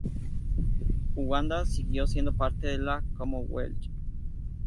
Uganda siguió siendo parte de la Commonwealth.